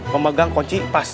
memegang kunci pas